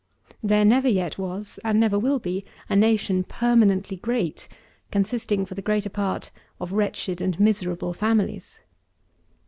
There never yet was, and never will be, a nation permanently great, consisting, for the greater part, of wretched and miserable families.